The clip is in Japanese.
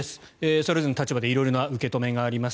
それぞれの立場で色々な受け止めがあります。